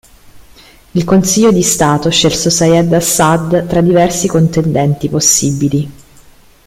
Il Consiglio di Stato scelse Syed Hassan tra diversi contendenti possibili.